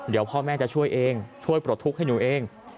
เดี๋ยวพ่อแม่จะช่วยเองช่วยปลดทุกข์ให้หนูเอง